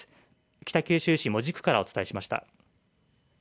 北九州市門司区からお伝えしました。